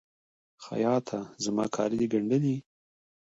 خیاطه! زما کالي د ګنډلي؟